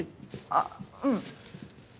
あっうん。